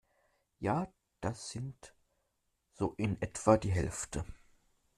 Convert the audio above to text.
Ja, das sind so in etwa die Hälfte.